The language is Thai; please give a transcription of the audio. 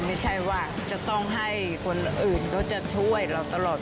ไม่ใช่ว่าจะต้องให้คนอื่นเขาจะช่วยเราตลอด